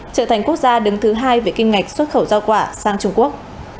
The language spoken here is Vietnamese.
trở thành quốc gia đứng thứ hai về kim ngạch xuất khẩu giao quả sang trung quốc